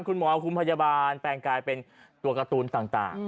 คุณหมอคุมพยาบาลแปลงกลายเป็นตัวการ์ตูนต่าง